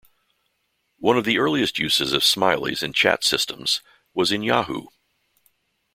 One of the earliest uses of smileys in chat systems was in Yahoo!